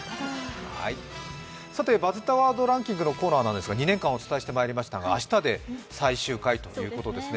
「バズったワードランキング」のコーナーなんですが２年間お伝えしてきましたが明日で最終回ということですね。